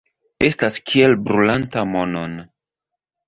Estas kiel brulanta monon.